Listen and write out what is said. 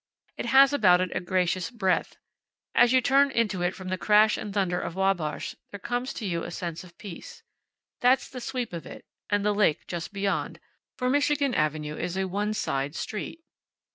It has about it a gracious breadth. As you turn into it from the crash and thunder of Wabash there comes to you a sense of peace. That's the sweep of it, and the lake just beyond, for Michigan avenue is a one side street.